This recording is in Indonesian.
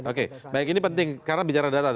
oke baik ini penting karena bicara data